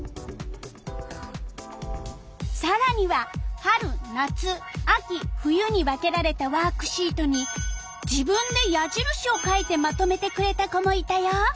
さらには春夏秋冬に分けられたワークシートに自分で矢印を書いてまとめてくれた子もいたよ。